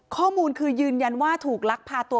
ข้อมูลคือยืนยันว่าถูกลักพาตัว